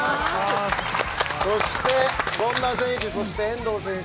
そして権田選手、そして遠藤選手